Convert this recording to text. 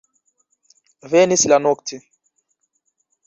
Venis la nokto.